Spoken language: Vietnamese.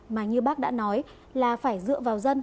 mà như bác đã nói là phải dựa vào dân